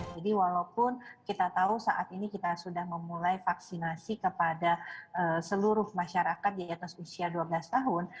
jadi walaupun kita tahu saat ini kita sudah memulai vaksinasi kepada seluruh masyarakat di atas usia dua belas tahun